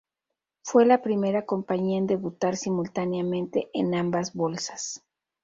Fue la primera compañía en debutar simultáneamente en ambas bolsas.